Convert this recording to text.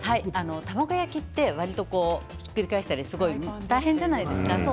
卵焼きってわりと、ひっくり返したり大変じゃないですか。